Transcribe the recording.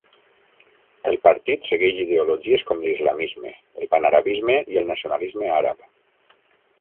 El partit segueix ideologies com l'islamisme, el panarabisme i el nacionalisme àrab.